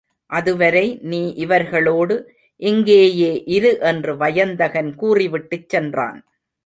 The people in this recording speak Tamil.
அதுவரை நீ இவர்களோடு இங்கேயே இரு என்று வயந்தகன் கூறிவிட்டுச் சென்றான்.